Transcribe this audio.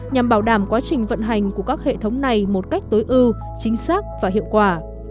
nhằm bảo đảm quá trình vận hành của các hệ thống này một cách tối ưu chính xác và hiệu quả